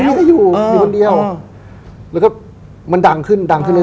เนี้ยเขาดูมีคนเดียวแล้วมันดังขึ้นดังขึ้นเรื่อย